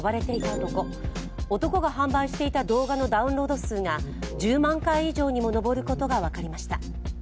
男が販売していた動画のダウンロード数が１０万回以上にも上ることが分かりました。